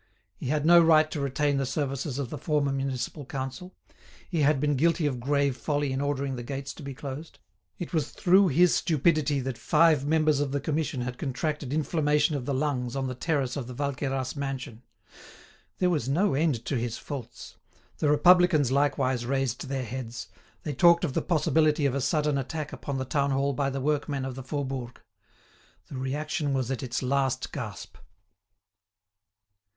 He had no right to retain the services of the former Municipal Council; he had been guilty of grave folly in ordering the gates to be closed; it was through his stupidity that five members of the Commission had contracted inflammation of the lungs on the terrace of the Valqueyras mansion. There was no end to his faults. The Republicans likewise raised their heads. They talked of the possibility of a sudden attack upon the town hall by the workmen of the Faubourg. The reaction was at its last gasp.